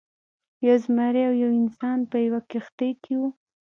یو زمری او یو انسان په یوه کښتۍ کې وو.